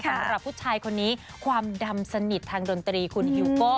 สำหรับผู้ชายคนนี้ความดำสนิททางดนตรีคุณฮิวโก้